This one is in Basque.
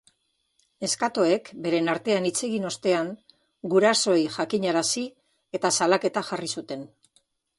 Neskatoek beren artean hitz egin ostean, gurasoei jakinarazi eta salaketa jarri zuten.